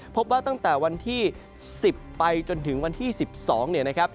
พบว่าตั้งแต่วันที่๑๐ไปจนถึงวันที่๑๒เนี่ยนะครับ